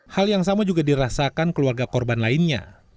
hal yang sama juga dirasakan keluarga korban lainnya